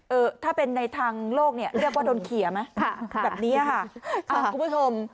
เออถ้าเป็นในทางโลกเนี่ยเรียกว่าโดนเขียไหมค่ะแบบนี้ค่ะอ่าคุณผู้ชม